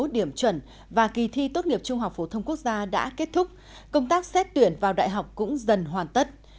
điểm chuẩn và kỳ thi tốt nghiệp trung học phổ thông quốc gia đã kết thúc công tác xét tuyển vào đại học cũng dần hoàn tất